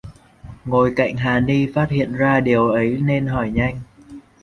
Ngồi cạnh hà ni phát hiện ra điều ấy nên hỏi nhanh